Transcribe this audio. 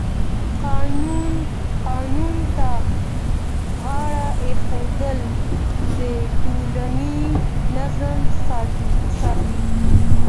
قانون ته غاړه ایښودل د ټولنې نظم ساتي.